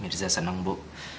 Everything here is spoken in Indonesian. mirza senang bu